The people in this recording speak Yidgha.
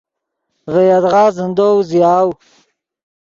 ڤے یدغا زندو اوزیاؤ.